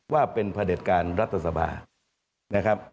ว่าเป็นพระเด็จการรัฐสภานะครับ